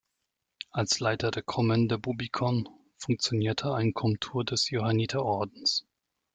Als Leiter der Kommende Bubikon fungierte ein Komtur des Johanniterordens.